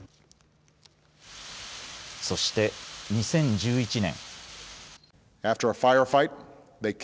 そして２０１１年。